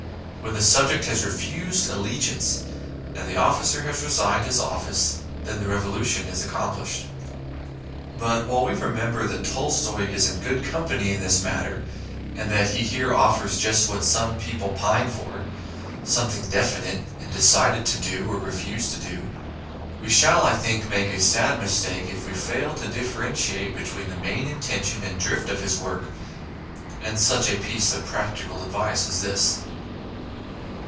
When the subject has refused allegiance, and the officer has resigned his office, then the revolution is accomplished." But while we remember that Tolstoy is in good company in this matter, and that he here offers just what some people pine for something definite and decided to do or to refuse to do we shall, I think, make a sad mistake if we fail to dif ferentiate between the main intention and drift of his work, and such a piece of practical advice as this.